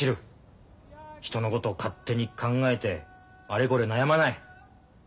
人のことを勝手に考えてあれこれ悩まない。